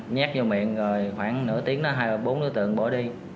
nhét vô miệng rồi khoảng nửa tiếng đó hai bốn đối tượng bỏ đi